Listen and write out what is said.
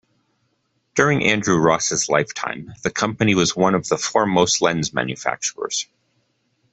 During Andrew Ross's lifetime, the company was one of the foremost lens manufacturers.